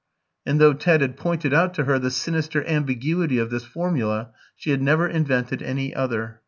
And though Ted had pointed out to her the sinister ambiguity of this formula, she had never invented any other.